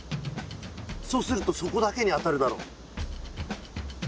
そうすると底だけに当たるだろ。